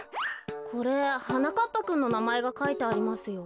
これはなかっぱくんのなまえがかいてありますよ。